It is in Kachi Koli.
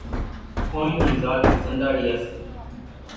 ڪونئين نِي زاچ زنڏاڙيا سي۔